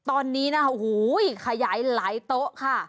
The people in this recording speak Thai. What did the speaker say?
ตอนนี้นะคะโอ้โหขยายหลายโต๊ะค่ะ